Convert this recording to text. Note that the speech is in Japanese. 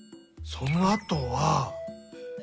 そのあとは。